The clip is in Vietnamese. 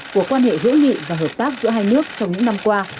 của quan hệ hữu nghị và hợp tác giữa hai nước trong những năm qua